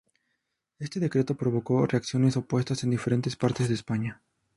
Este decreto provocó reacciones opuestas en diferentes partes de España.